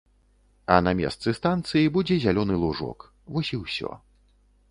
А на месцы станцыі будзе зялёны лужок, вось і ўсё.